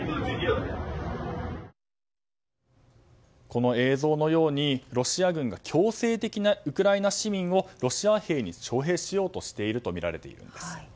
この映像のようにロシア軍が強制的にウクライナ市民をロシア兵に徴兵しようとしているとみられているんです。